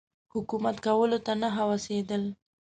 حکومت کولو ته نه هوسېدل.